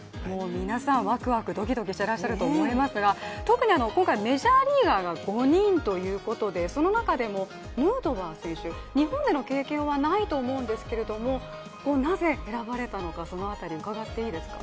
皆さんワクワクドキドキしてらっしゃると思いますが、特に今回メジャーリーガーが５人ということでその中でもヌートバー選手、日本での経験はないと思うんですけれども、ここ、なぜ選ばれたのかその辺り伺ってもいいですか？